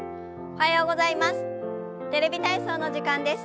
おはようございます。